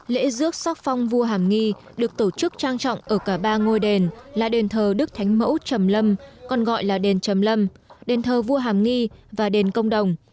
lễ rước sắc phong vua hàm nghi được tổ chức trang trọng ở cả ba ngôi đền là đền thờ đức thánh mẫu chầm lâm còn gọi là đền trầm lâm đền thờ vua hàm nghi và đền công đồng